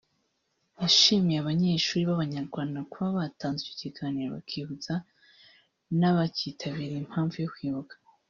yashimiye abanyeshuri b’Abanyarwanda kuba batanze icyo kiganiro bakibutsa n’abakitabiye impamvu yo kwibuka